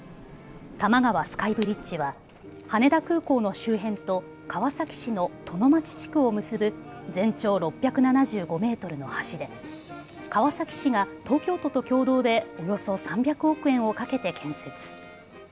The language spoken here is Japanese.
多摩川スカイブリッジは羽田空港の周辺と川崎市の殿町地区を結ぶ全長６７５メートルの橋で川崎市が東京都と共同でおよそ３００億円をかけて建設。